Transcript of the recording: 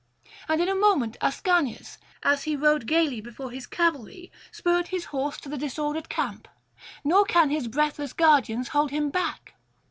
And in a moment Ascanius, as he rode gaily before his cavalry, spurred his horse to the disordered camp; nor can his breathless guardians hold him back.